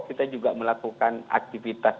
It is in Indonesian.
kita juga melakukan aktivitas